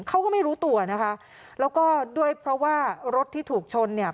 เขาก็ไม่รู้ตัวนะคะแล้วก็ด้วยเพราะว่ารถที่ถูกชนเนี่ย